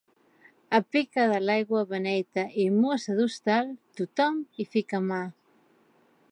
A pica de l'aigua beneita i mossa d'hostal, tothom hi fica mà.